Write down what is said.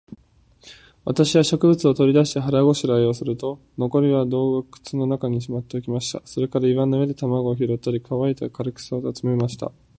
私は食物を取り出して、腹ごしらえをすると、残りは洞穴の中にしまっておきました。それから岩の上で卵を拾ったり、乾いた枯草を集めました。